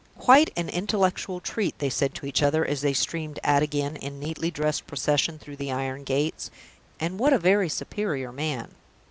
"Quite an intellectual treat!" they said to each other, as they streamed out again in neatly dressed procession through the iron gates. "And what a very superior man!"